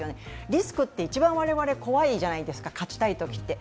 リスクって一番我々怖いじゃないですか、勝ちたいときって。